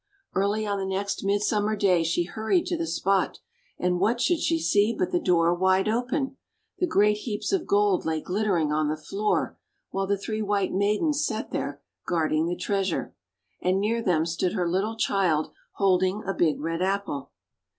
Early on the next Midsummer Day she hur ried to the spot; and what should she see but the door wide open! The great heaps of gold lay glittering on the floor, while the three Wliite Maidens sat there guarding the treasure. And near them stood her little child holding a big red Apple.